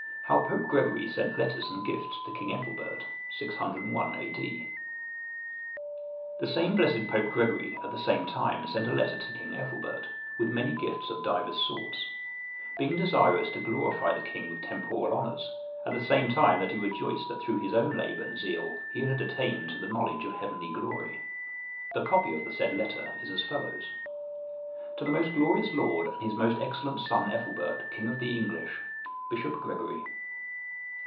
How Pope Gregory sent letters and gifts to King Ethelbert. [601 A.D.] The same blessed Pope Gregory, at the same time, sent a letter to King Ethelbert, with many gifts of divers sorts; being desirous to glorify the king with temporal honours, at the same time that he rejoiced that through his own labour and zeal he had attained to the knowledge of heavenly glory. The copy of the said letter is as follows: "_To the most glorious lord, and his most excellent son, Ethelbert, king of the English, Bishop Gregory.